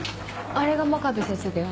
あれが真壁先生だよ